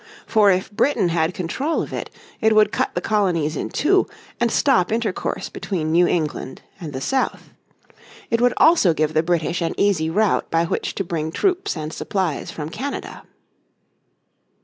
For if Britain had control of it it would cut the colonies in two, and stop intercourse between New England and the south. It would also give the British an easy route by which to bring troops and supplies from Canada.